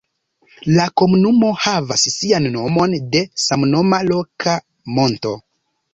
La komunumo havas sian nomon de samnoma loka monto.